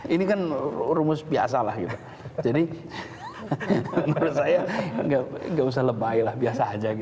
ini kan rumus biasa lah gitu jadi menurut saya nggak usah lebay lah biasa aja